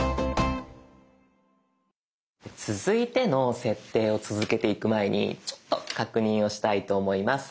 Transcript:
続いての設定を続けていく前にちょっと確認をしたいと思います。